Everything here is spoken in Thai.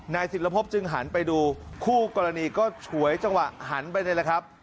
นายสิรพพจึงหันไปดูคู่กรณีก็ฉวยจังหวะหันไปเลยครับ